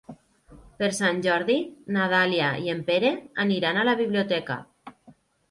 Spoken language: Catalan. Per Sant Jordi na Dàlia i en Pere aniran a la biblioteca.